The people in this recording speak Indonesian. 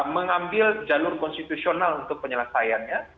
mengambil jalur konstitusional untuk penyelesaiannya